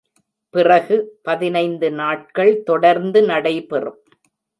பிறகு பதினைந்து நாட்கள் தொடர்ந்து நடைபெறும்.